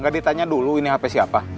gak ditanya dulu ini hp siapa